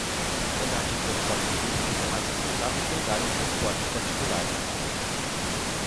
Andar de transportes públicos é mais sustentável que andar em transportes particulares.